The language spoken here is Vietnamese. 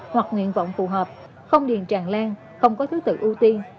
hoặc nguyện vọng phù hợp không điền tràn lan không có thứ tự ưu tiên